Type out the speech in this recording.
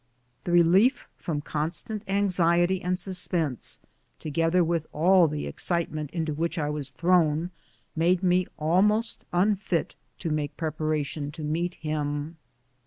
The relief from constant anxiety and sus pense, together with all the excitement into which I was thrown, made me almost unfit to make prepara tion to meet him.